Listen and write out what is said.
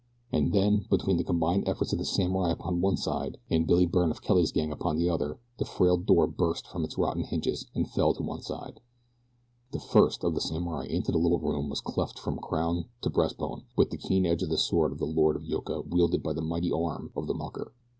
And then, between the combined efforts of the samurai upon one side and Billy Byrne of Kelly's gang upon the other the frail door burst from its rotten hinges and fell to one side. The first of the samurai into the little room was cleft from crown to breast bone with the keen edge of the sword of the Lord of Yoka wielded by the mighty arm of the mucker.